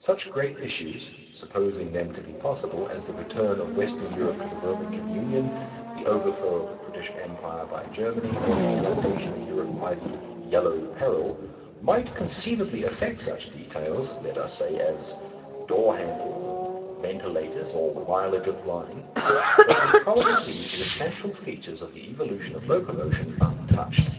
Such great issues, supposing them to be possible, as the return of Western Europe to the Roman communion, the overthrow of the British Empire by Germany, or the inundation of Europe by the "Yellow Peril," might conceivably affect such details, let us say, as door handles and ventilators or mileage of line, but would probably leave the essential features of the evolution of locomotion untouched.